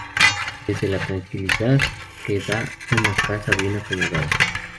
desde la tranquilidad que da una casa bien acomodada